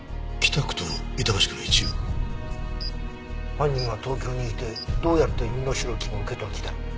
犯人は東京にいてどうやって身代金を受け取る気だろう？